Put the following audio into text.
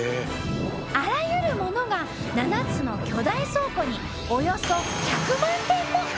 あらゆるものが７つの巨大倉庫におよそ１００万点も！